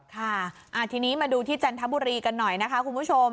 ค่ะทีนี้มาดูที่จันทบุรีกันหน่อยนะคะคุณผู้ชม